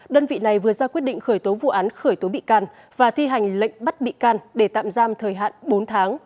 đơn vị này vừa ra quyết định khởi tố vụ án khởi tố bị can và thi hành lệnh bắt bị can để tạm giam thời hạn bốn tháng